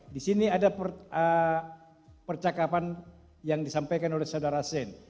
di sini ada percakapan yang disampaikan oleh saudara shane